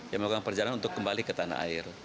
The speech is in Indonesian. yang melakukan perjalanan untuk kembang